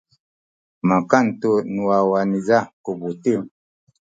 makan tu nu wawa niza ku buting.